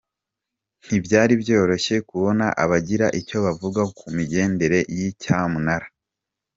Ntibyari byoroshye kubona abagira icyo bavuga ku migendekere y’iyi cyamunara.